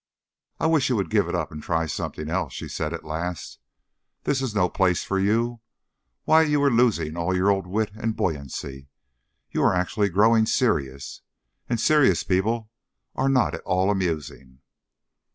"I wish you would give it up and try something else," she said, at last. "This is no place for you. Why, you are losing all your old wit and buoyancy, you are actually growing serious. And serious people are not at all amusing."